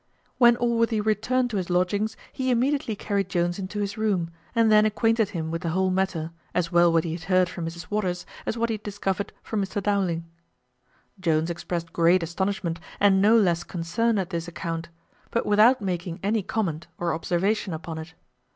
When Allworthy returned to his lodgings, he immediately carried Jones into his room, and then acquainted him with the whole matter, as well what he had heard from Mrs Waters as what he had discovered from Mr Dowling. Jones expressed great astonishment and no less concern at this account, but without making any comment or observation upon it.